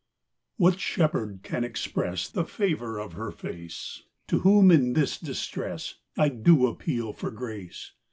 What shepherd can express The favour of her face To whom, in this distress, I do appeal for grace?